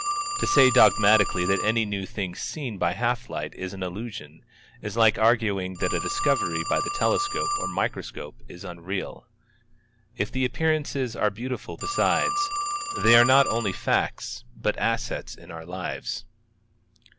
To say dogmatically that any new thing seen by half light is an illusion, is like arguing that a discovery by the telescope or microscope is unreal. If the appearances are beautiful besides, they are not only facts, but assets in our lives.